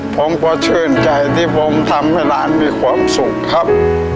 ผมก็ชื่นใจที่ผมทำให้หลานมีความสุขครับ